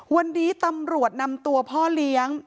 วันนี้ตำรวจนำตัวพ่อเลี้ยง